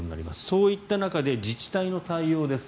そういった中で自治体の対応です。